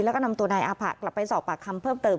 แล้วก็นำตัวนายอาผะกลับไปสอบปากคำเพิ่มเติม